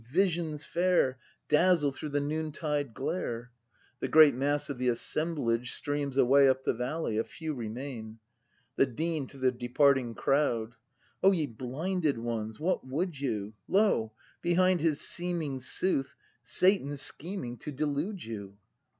Visions fair Dazzle through the noontide glare. [The great mass of the assemblage streams away up the valley; a few remain. The Dean. [To the departing crowd.l O, ye blinded ones, what would you ? Lo! behind his seeming sooth Satan scheming to delude you!